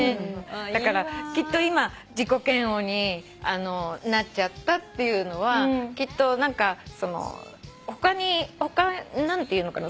だからきっと今自己嫌悪になっちゃったっていうのは何か他に何ていうのかな。